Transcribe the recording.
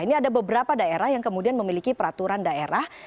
ini ada beberapa daerah yang kemudian memiliki peraturan daerah